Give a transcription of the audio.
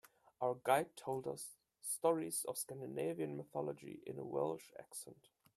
Our guide told us stories of Scandinavian mythology in a Welsh accent.